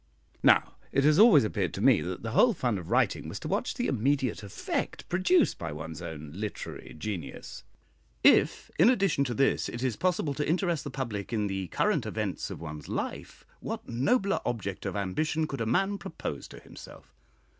Now it has always appeared to me that the whole fun of writing was to watch the immediate effect produced by one's own literary genius. If, in addition to this, it is possible to interest the public in the current events of one's life, what nobler object of ambition could a man propose to himself?